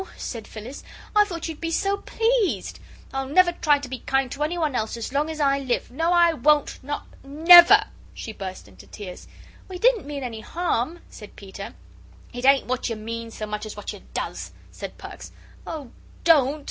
said Phyllis, "I thought you'd be so pleased; I'll never try to be kind to anyone else as long as I live. No, I won't, not never." She burst into tears. "We didn't mean any harm," said Peter. "It ain't what you means so much as what you does," said Perks. "Oh, DON'T!"